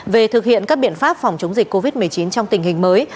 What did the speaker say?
về thực hiện các biện pháp phòng chống dịch covid một mươi chín trong tình hình mới